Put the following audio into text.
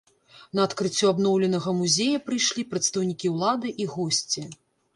На адкрыццё абноўленага музея прыйшлі прадстаўнікі ўлады і госці.